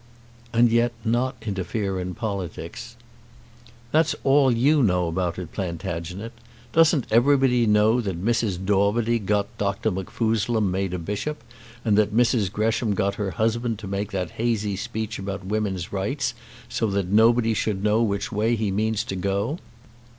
"And yet not interfere in politics." "That's all you know about it, Plantagenet. Doesn't everybody know that Mrs. Daubeny got Dr. MacFuzlem made a bishop, and that Mrs. Gresham got her husband to make that hazy speech about women's rights, so that nobody should know which way he meant to go?